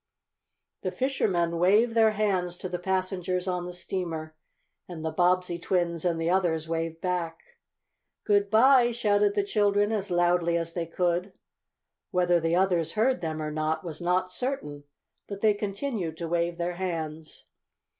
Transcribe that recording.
The fishermen waved their hands to the passengers on the steamer, and the Bobbsey twins and the others waved back. "Good bye!" shouted the children, as loudly as they could. Whether the others heard them or not was not certain, but they continued to wave their hands.